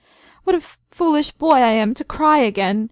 "What a foolish boy I am to cry again!"